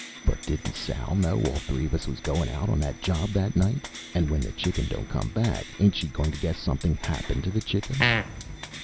But didn't Sal know all three of us was goin' out on that job that night? And when the Chicken don't come back, ain't she goin' to guess something happened to the Chicken?"